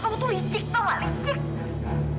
kamu tuh licik do ma licik